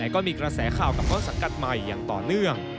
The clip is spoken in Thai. ก็มีกระแสข่าวกับต้นสังกัดใหม่อย่างต่อเนื่อง